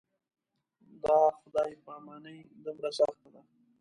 دا خدای پاماني دومره سخته ده.